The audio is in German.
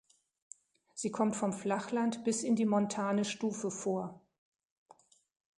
Sie kommt vom Flachland bis in die montane Stufe vor.